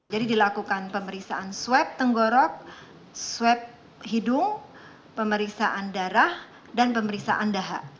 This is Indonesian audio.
jadi dilakukan pemeriksaan swab tenggorok swab hidung pemeriksaan darah dan pemeriksaan dahak